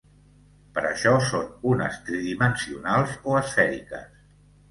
Per això, són ones tridimensionals o esfèriques.